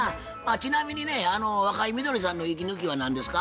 ちなみにね若井みどりさんの息抜きは何ですか？